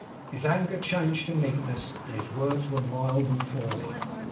His anger changed to meekness, and his words were mild and fawning.